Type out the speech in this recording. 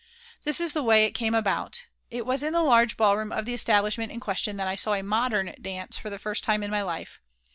This is the way it came about. It was in the large ballroom of the establishment in question that I saw a "modern" dance for the first time in my life.